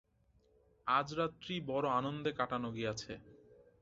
আজ রাত্রি বড়ো আনন্দে কাটানো গিয়াছে।